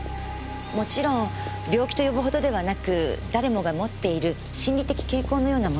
もちろん病気と呼ぶほどではなく誰もが持っている心理的傾向のようなものです。